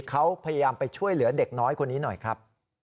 เขาพยายามไปช่วยเหลือเด็กน้อยคนนี้หน่อยครับ